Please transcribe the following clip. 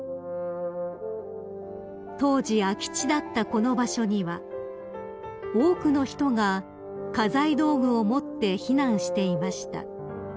［当時空き地だったこの場所には多くの人が家財道具を持って避難していました］